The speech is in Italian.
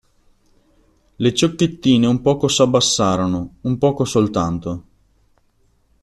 Le ciocchettine un poco s'abbassarono, un poco soltanto.